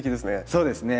そうですね。